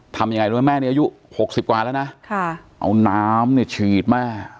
ทำยังไงด้วยแม่นี้อายุ๖๐กว่าแล้วนะเอาน้ำเนี่ยฉีดแม่